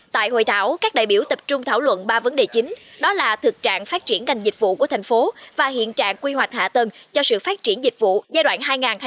tại hội thảo các đại biểu tập trung thảo luận ba vấn đề chính đó là thực trạng phát triển ngành dịch vụ của thành phố và hiện trạng quy hoạch hạ tầng cho sự phát triển dịch vụ giai đoạn hai nghìn hai nghìn một mươi tám